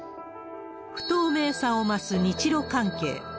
不透明さを増す日ロ関係。